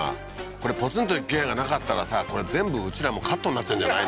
これポツンと一軒家がなかったらさこれ全部うちらもカットになっちゃうんじゃない？